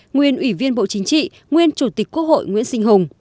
nguyên ủy viên bộ chính trị nguyên chủ tịch quốc hội nguyễn sinh hùng